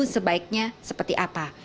sebaiknya seperti apa